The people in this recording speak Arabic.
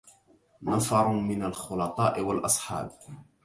نفرٌ من الخلطاءِ والأصحابِ